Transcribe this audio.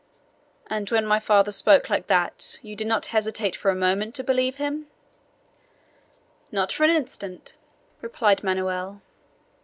'" "And when my father spoke like that, you did not hesitate for a moment to believe him?" "Not for an instant," replied Manoel.